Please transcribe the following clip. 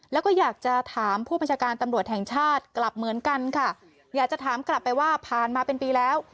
แล้วก็อยากจะถามผู้บัญชาการตำรวจแห่งชาติกลับเหมือนกันค่ะอยากจะถามกลับไปว่าผ่านมาเป็นปีแล้ว